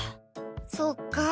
そっか。